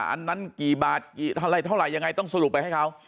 อันนั้นกี่บาทกี่อะไรเท่าไหร่ยังไงต้องสรุปไปให้เขา